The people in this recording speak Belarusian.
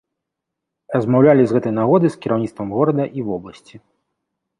Размаўлялі з гэтай нагоды з кіраўніцтвам горада і вобласці.